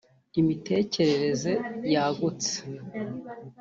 Imitekerereze yagutse